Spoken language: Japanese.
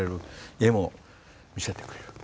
絵も見せてくれる。